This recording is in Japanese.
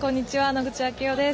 野口啓代です。